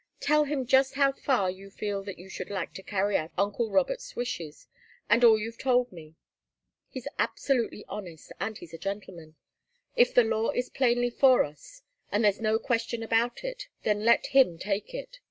Tell him just how far you feel that you should like to carry out uncle Robert's wishes, and all you've told me. He's absolutely honest, and he's a gentleman. If the law is plainly for us, and there's no question about it, then let him take it.